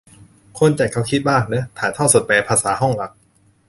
คนจัดเขาคิดมากเนอะ ถ่ายทอดสด แปลภาษาห้องหลัก